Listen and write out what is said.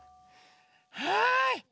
はい。